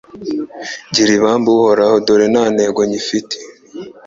Gira ibambe Uhoraho dore nta ntege ngifite